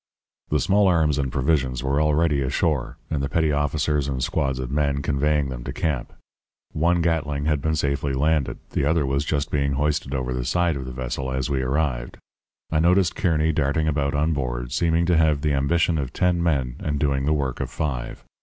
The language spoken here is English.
"The small arms and provisions were already ashore, and the petty officers and squads of men conveying them to camp. One Gatling had been safely landed; the other was just being hoisted over the side of the vessel as we arrived. I noticed Kearny darting about on board, seeming to have the ambition of ten men, and doing the work of five.